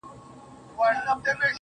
وځان ته بله زنده گي پيدا كړه_